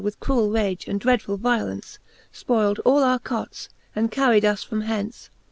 With cruell rage and dreadful! violence, Spoyld all our cots, and carried us from hence